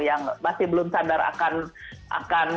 yang masih belum sadar akan